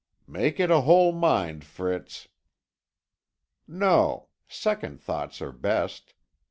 "Make it a whole mind, Fritz." "No; second thoughts are best.